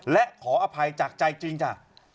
และขออภัยจากใจจริงจ้ะ